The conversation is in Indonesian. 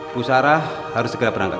bu sarah harus segera berangkat